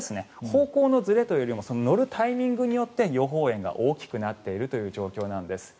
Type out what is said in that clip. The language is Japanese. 方向のずれというよりも乗るタイミングによって予報円が大きくなっている状況です。